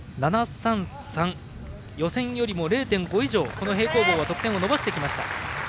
予選よりも０．５以上平行棒は得点を伸ばしてきました。